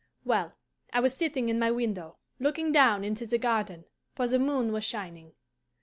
Well, I was sitting in my window, looking down into the garden; for the moon was shining.